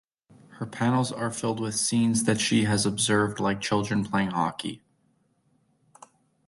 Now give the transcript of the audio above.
Her panels are filled with scenes that she has observed like children playing hockey.